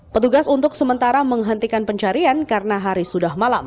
petugas untuk sementara menghentikan pencarian karena hari sudah malam